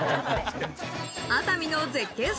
熱海の絶景